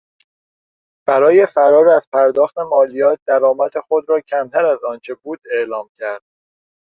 برای فرار از پرداخت مالیات درآمد خود را کمتر از آنچه بود اعلام کرد.